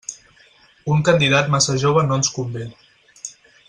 Un candidat massa jove no ens convé.